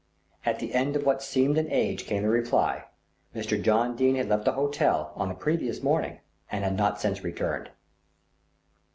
At the end of what seemed an age came the reply: Mr. John Dene had left the hotel on the previous morning and had not since returned.